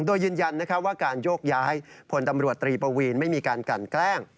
โดยยืนยันว่าการโยกย้ายพลตำรวจตรีปวีนไม่มีการกันแกล้ง